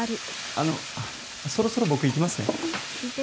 あのそろそろ僕、行きますね。